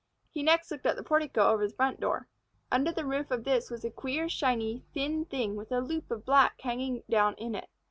He next looked at the portico over the front door. Under the roof of this was a queer shiny, thin thing with a loop of black thread hanging down in it.